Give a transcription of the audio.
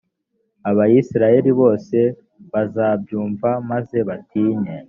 abayisraheli bose bazabyumva maze batinye,